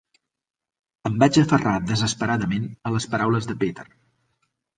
Em vaig aferrar desesperadament a les paraules de Peter.